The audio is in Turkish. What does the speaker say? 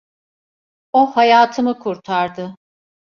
O hayatımı kurtardı.